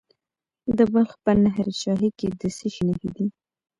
د بلخ په نهر شاهي کې د څه شي نښې دي؟